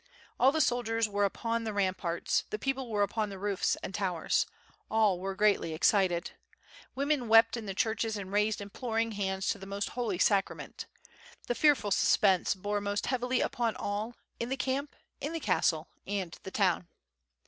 All the soldiers were upon the ramparts, the people were upon the roofs and towers. All were greatly excited. Women wept in the churches and raised imploring hands to the most Holy Sacrament. The fearful suspense bore most heavily upon all, in the camp, in the castle, and the town.